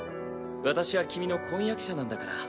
私は君の婚約者なんだから。